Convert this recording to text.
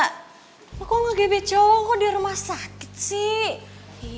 kok lo nge gb cowok kok di rumah sakit sih